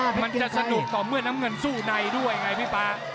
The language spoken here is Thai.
มันจะสนุกต่อเมื่อน้ำเงินสู้ในด้วยไงพี่ป๊า